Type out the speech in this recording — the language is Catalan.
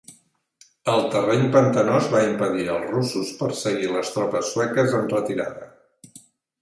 El terreny pantanós va impedir als russos perseguir les tropes sueques en retirada.